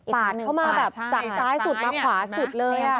เข้ามาแบบจากซ้ายสุดมาขวาสุดเลย